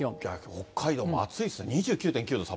北海道も暑いですね、２９．